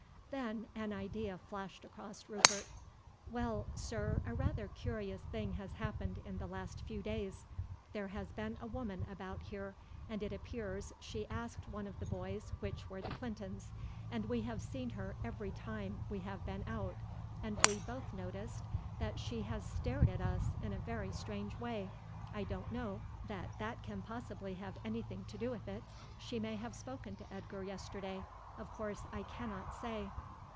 Then an idea flashed across Rupert. "Well, sir, a rather curious thing has happened in the last few days. There has been a woman about here, and it appears she asked one of the boys which were the Clintons; and we have seen her every time we have been out, and we both noticed that she has stared at us in a very strange way. I don't know that that can possibly have anything to do with it. She may have spoken to Edgar yesterday. Of course I cannot say."